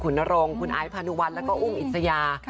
คุณคุณนโรงคุณอายพรานุวัฒน์แล้วก็อุ้มอิสยา